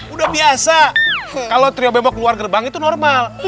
udah biasa kalo trio bemo keluar gerbang itu normal